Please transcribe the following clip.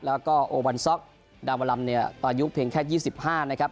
แล้วก็โอวันซ็อกดังวันลำตอนยุคเพลงแค่ยี่สิบห้านะครับ